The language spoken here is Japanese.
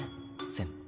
先輩。